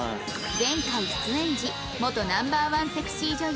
前回出演時元 Ｎｏ．１ セクシー女優